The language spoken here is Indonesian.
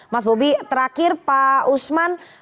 mas bobi terakhir pak usman